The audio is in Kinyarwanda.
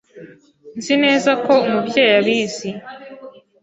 Nzi neza ko Umubyeyi abizi.